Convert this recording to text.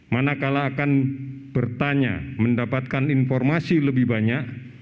manakala akan bertanya mendapatkan informasi lebih banyak